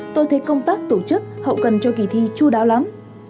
tôi thấy công tác tổ chức hậu cần cho kỳ thi chú đáo lắm